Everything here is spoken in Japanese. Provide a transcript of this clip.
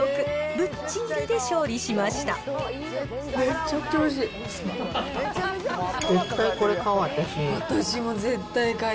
めっちゃくちゃおいしい。